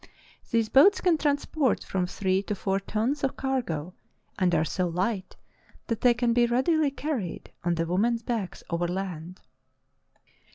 These boats can transport from three to four tons of cargo, and are so light that they can be readily carried on the women's backs overland.